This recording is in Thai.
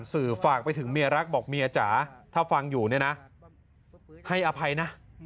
สื่อฝากไปถึงเมียรักบอกเมียจ๋าถ้าฟังอยู่เนี่ยนะให้อภัยนะ